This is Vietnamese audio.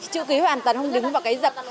chữ ký hoàn toàn không đứng vào cái dập